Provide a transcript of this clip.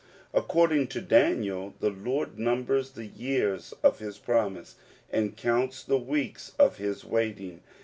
According to Daniel, the Lord numbers the years of his promise, and counts the weeks of his waiting.